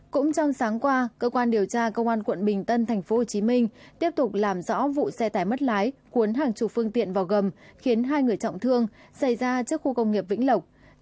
cũng trong sáng qua cơ quan điều tra công an quận bình tân tp hcm tiếp tục làm rõ vụ xe tải mất lái cuốn hàng chục phương tiện vào gầm khiến hai người trọng thương xảy ra trước khu công nghiệp vĩnh lộc